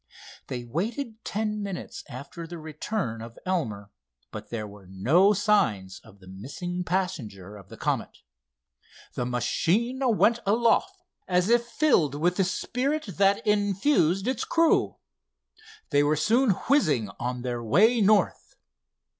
They waited ten minutes after the return of Elmer, but there were no signs of the missing passenger of the Comet. The machine went aloft as if filled with the spirit that infused its crew. They were soon whizzing on their way north.